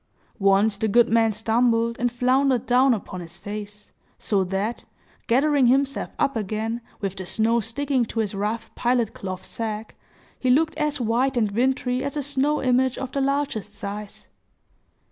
Once, the good man stumbled, and floundered down upon his face, so that, gathering himself up again, with the snow sticking to his rough pilot cloth sack, he looked as white and wintry as a snow image of the largest size.